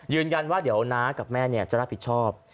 ยืนยันว่าเดี๋ยวน้ากับแม่จะรับผิดชอบ